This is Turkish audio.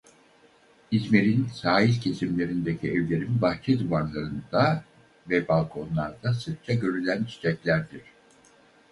İzmir'in sahil kesimlerindeki evlerin bahçe duvarlarında ve balkonlarda sıkça görülen çiçeklerdir.